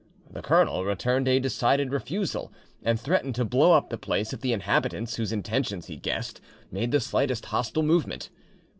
The colonel returned a decided refusal, and threatened to blow up the place if the inhabitants, whose intentions he guessed, made the slightest hostile movement.